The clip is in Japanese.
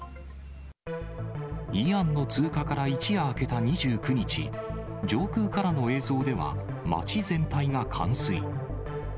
イアンの通過から一夜明けた２９日、上空からの映像では、街全体が冠水。